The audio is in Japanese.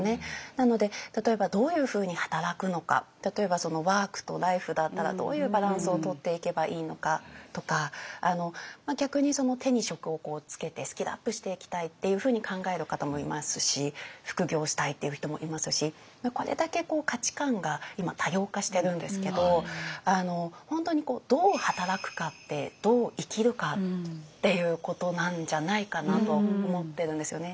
なので例えばどういうふうに働くのか例えばワークとライフだったらどういうバランスをとっていけばいいのかとか逆に手に職をつけてスキルアップしていきたいっていうふうに考える方もいますし副業したいっていう人もいますしこれだけ価値観が今多様化してるんですけど本当にどう働くかってどう生きるかっていうことなんじゃないかなと思ってるんですよね。